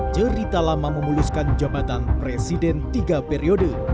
cerita lama memuluskan jabatan presiden tiga periode